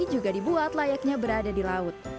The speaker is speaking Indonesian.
juga dibuat layaknya berada di laut